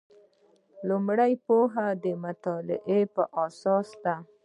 لومړۍ پوهه د مطالعې په اساس ده.